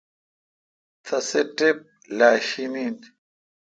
تسے ٹپ لاشین این۔